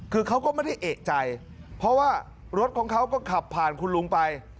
คือเขาก็ไม่ได้เอกใจเพราะว่ารถของเขาก็ขับผ่านคุณลุงไป